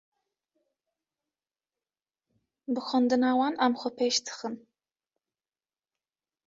Bi xwendina wan em xwe bi pêş dixin.